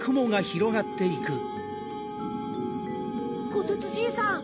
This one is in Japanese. こてつじいさん。